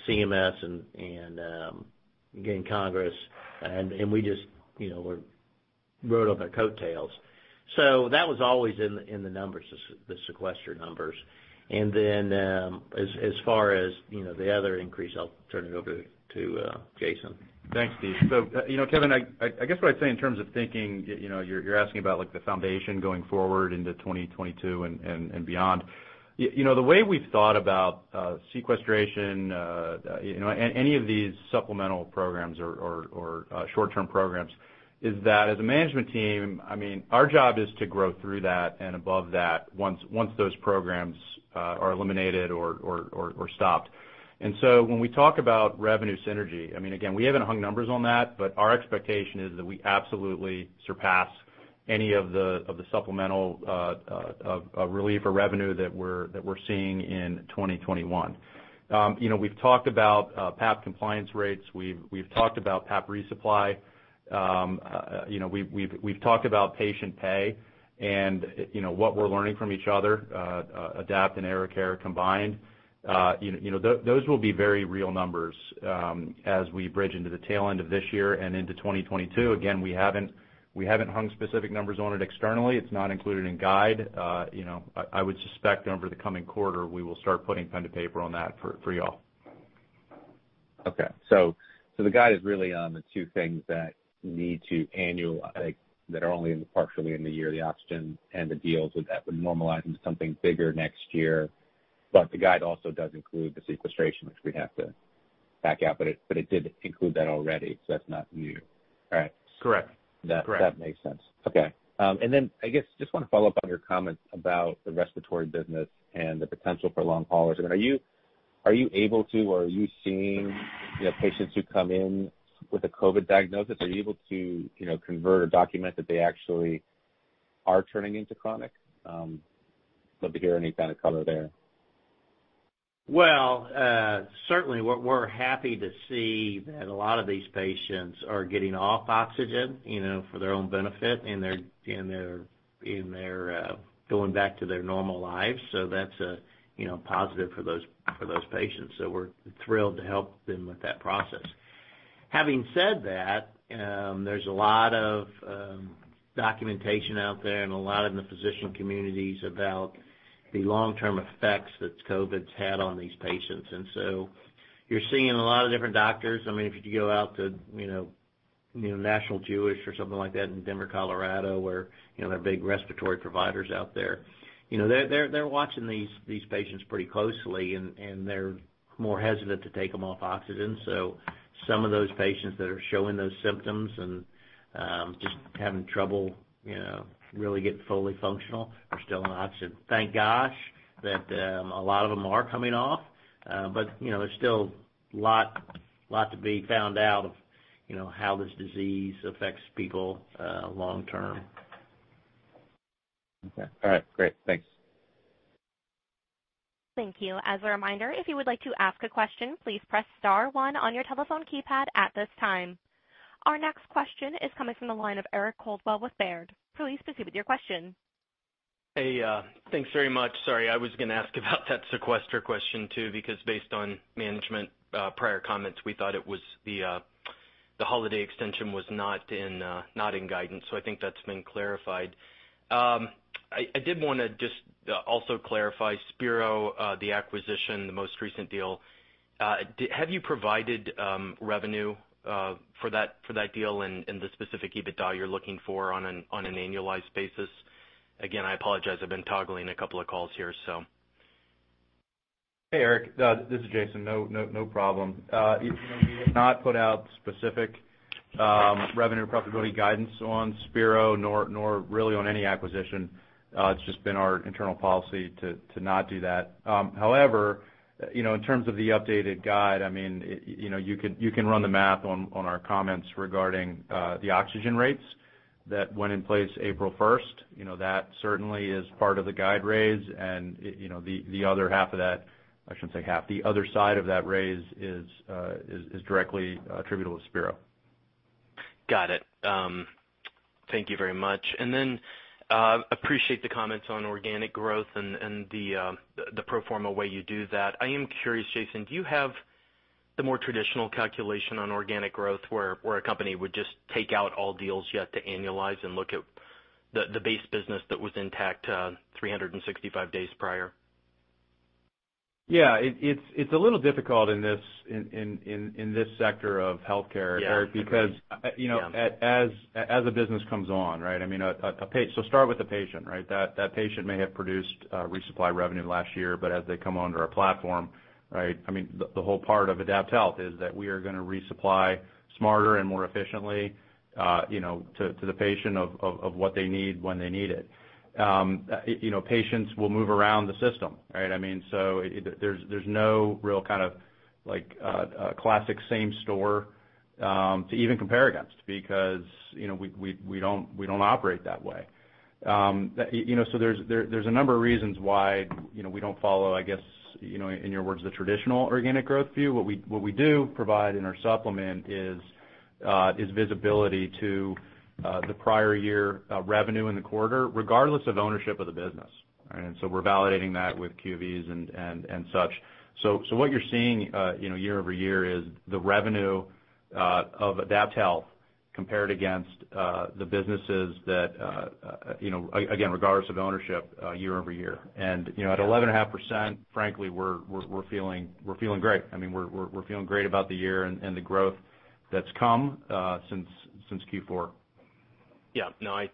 CMS, Congress, we just rode on their coattails. That was always in the numbers, the sequester numbers. As far as the other increase, I'll turn it over to Jason. Thanks, Steve. Kevin, I guess what I'd say in terms of thinking, you're asking about the foundation going forward into 2022 and beyond. The way we've thought about sequestration, and any of these supplemental programs or short-term programs, is that as a management team, our job is to grow through that and above that once those programs are eliminated or stopped. When we talk about revenue synergy, again, we haven't hung numbers on that, but our expectation is that we absolutely surpass any of the supplemental relief or revenue that we're seeing in 2021. We've talked about PAP compliance rates, we've talked about PAP resupply. We've talked about patient pay and what we're learning from each other, AdaptHealth and AeroCare combined. Those will be very real numbers as we bridge into the tail end of this year and into 2022. We haven't hung specific numbers on it externally. It's not included in guide. I would suspect over the coming quarter, we will start putting pen to paper on that for y'all. The guide is really on the two things that need to annualize, that are only partially in the year, the oxygen and the deals with that would normalize into something bigger next year. The guide also does include the sequestration, which we'd have to back out, but it did include that already, so that's not new. Correct? Correct. That makes sense. Okay. I just want to follow up on your comment about the respiratory business and the potential for long haulers. Are you able to, or are you seeing patients who come in with a COVID diagnosis, are you able to convert or document that they actually are turning into chronic? Love to hear any kind of color there. Well, certainly, we're happy to see that a lot of these patients are getting off oxygen, for their own benefit, and they're going back to their normal lives. That's a positive for those patients. We're thrilled to help them with that process. Having said that, there's a lot of documentation out there and a lot in the physician communities about the long-term effects that COVID's had on these patients. You're seeing a lot of different doctors. If you go out to National Jewish or something like that in Denver, Colorado, where there are big respiratory providers out there. They're watching these patients pretty closely, and they're more hesitant to take them off oxygen. Some of those patients that are showing those symptoms and just having trouble really getting fully functional are still on oxygen. Thank gosh that a lot of them are coming off. There's still a lot to be found out of how this disease affects people long-term. Okay. All right, great. Thanks. Thank you. As a reminder, if you would like to ask a question, please press star one on your telephone keypad at this time. Our next question is coming from the line of Eric Coldwell with Baird. Please proceed with your question. Hey, thanks very much. Sorry, I was going to ask about that sequester question, too, because based on management prior comments, we thought the holiday extension was not in guidance. I think that's been clarified. I did want to just also clarify, Spiro, the acquisition, the most recent deal. Have you provided revenue for that deal and the specific EBITDA you're looking for on an annualized basis? Again, I apologize. I've been toggling a couple of calls here. Hey, Eric. This is Jason. No problem. We have not put out specific revenue profitability guidance on Spiro, nor really on any acquisition. It's just been our internal policy to not do that. In terms of the updated guide, you can run the math on our comments regarding the oxygen rates. That went in place April 1st. That certainly is part of the guide raise, and the other half of that, I shouldn't say half, the other side of that raise is directly attributable to Spiro. Got it. Thank you very much. Appreciate the comments on organic growth and the pro forma way you do that. I am curious, Jason, do you have the more traditional calculation on organic growth, where a company would just take out all deals yet to annualize and look at the base business that was intact 365 days prior? Yeah. It's a little difficult in this sector of healthcare- Yeah. I mean, yeah. Because, as a business comes on, right? Start with a patient, right? That patient may have produced resupply revenue last year, but as they come under our platform, the whole part of AdaptHealth is that we are going to resupply smarter and more efficiently, to the patient of what they need when they need it. Patients will move around the system. There's no real kind of classic same store to even compare against, because we don't operate that way. There's a number of reasons why we don't follow, I guess, in your words, the traditional organic growth view. What we do provide in our supplement is visibility to the prior year revenue in the quarter, regardless of ownership of the business. We're validating that with Q of E's and such. What you're seeing year-over-year is the revenue of AdaptHealth compared against the businesses that, again, regardless of ownership, year-over-year. At 11.5%, frankly, we're feeling great. We're feeling great about the year and the growth that's come since Q4. Yeah, no, I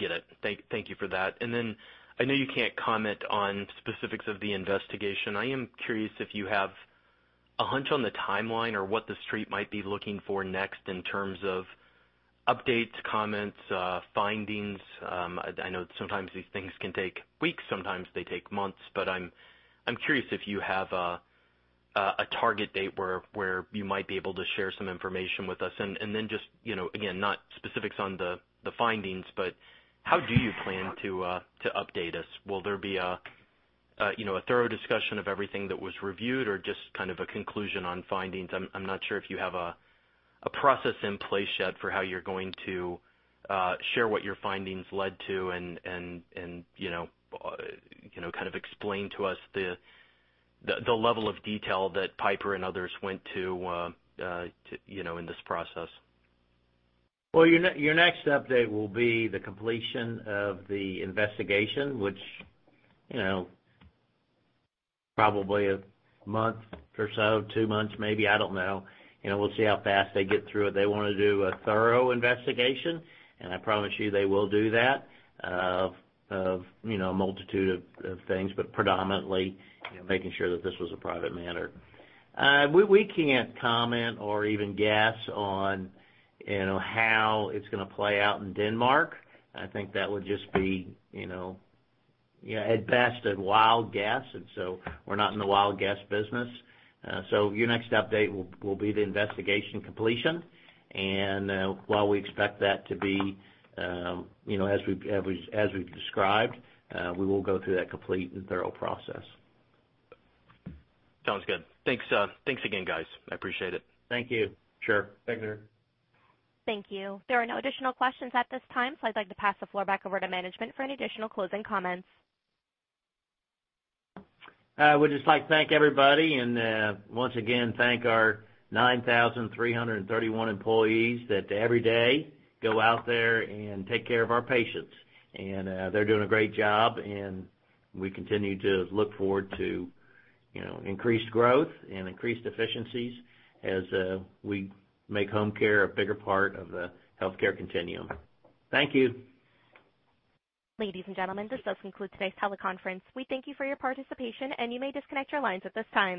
get it. Thank you for that. I know you can't comment on specifics of the investigation. I am curious if you have a hunch on the timeline or what The Street might be looking for next in terms of updates, comments, findings. I know sometimes these things can take weeks, sometimes they take months, but I'm curious if you have a target date where you might be able to share some information with us, and then just, again, not specifics on the findings, but how do you plan to update us? Will there be a thorough discussion of everything that was reviewed or just kind of a conclusion on findings? I'm not sure if you have a process in place yet for how you're going to share what your findings led to and kind of explain to us the level of detail that Piper and others went to in this process. Well, your next update will be the completion of the investigation, which probably a month or so, two months maybe, I don't know. We'll see how fast they get through it. They want to do a thorough investigation, and I promise you, they will do that, of a multitude of things, but predominantly, making sure that this was a private matter. We can't comment or even guess on how it's going to play out in Denmark. I think that would just be, at best, a wild guess, and so we're not in the wild guess business. Your next update will be the investigation completion. While we expect that to be as we've described, we will go through that complete and thorough process. Sounds good. Thanks again, guys. I appreciate it. Thank you. Sure. Thank you. Thank you. There are no additional questions at this time, so I'd like to pass the floor back over to management for any additional closing comments. I would just like to thank everybody, and once again, thank our 9,331 employees that every day go out there and take care of our patients. They're doing a great job, and we continue to look forward to increased growth and increased efficiencies as we make home care a bigger part of the healthcare continuum. Thank you. Ladies and gentlemen, this does conclude today's teleconference. We thank you for your participation, and you may disconnect your lines at this time.